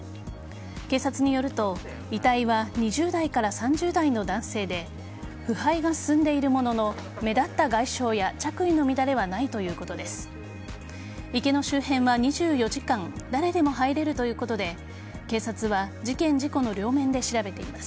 警察によると遺体は２０代から３０代の男性で腐敗が進んでいるものの目立った外傷や着衣の乱れはないということです。